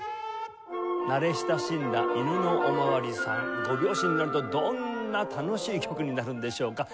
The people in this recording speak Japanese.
慣れ親しんだ『いぬのおまわりさん』５拍子になるとどんな楽しい曲になるんでしょうか？